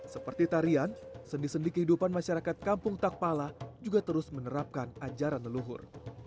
seperti tarian sendi sendi kehidupan masyarakat kampung takpala juga terus menerapkan ajaran leluhur